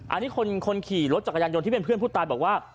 อันนี้คนขี่รถจักรยานยนต์ที่เป็นเพื่อนผู้ตายบอกว่า